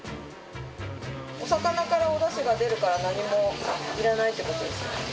お魚からお出汁が出るから何もいらないってことですか？